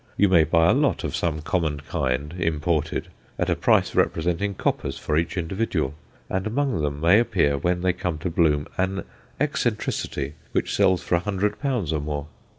You may buy a lot of some common kind, imported, at a price representing coppers for each individual, and among them may appear, when they come to bloom, an eccentricity which sells for a hundred pounds or more.